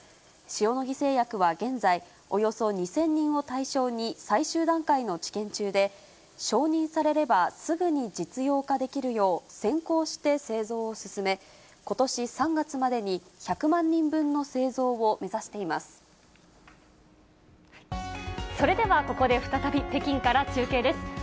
塩野義製薬は現在、およそ２０００人を対象に、最終段階の治験中で、承認されれば、すぐに実用化できるよう、先行して製造を進め、ことし３月までに１００万人分の製造を目指それでは、ここで再び、北京から中継です。